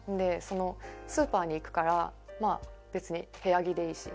スーパーに行くから別に部屋着でいいし。